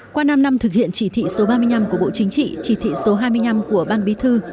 qua năm năm thực hiện chỉ thị số ba mươi năm của bộ chính trị chỉ thị số hai mươi năm của ban bí thư